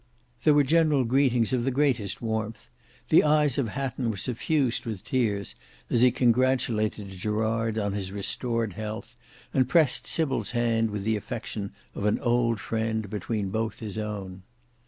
There were general greetings of the greatest warmth. The eyes of Hatton were suffused with tears as he congratulated Gerard on his restored health, and pressed Sybil's hand with the affection of an old friend between both his own.